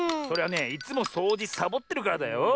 それはねいつもそうじさぼってるからだよ。